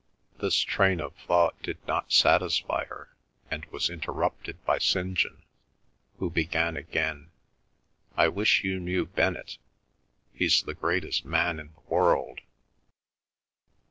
This train of thought did not satisfy her, and was interrupted by St. John, who began again: "I wish you knew Bennett. He's the greatest man in the world."